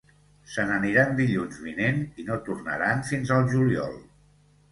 Se n'aniran dilluns vinent i no tornaran fins el juliol